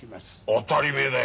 当たり前だい。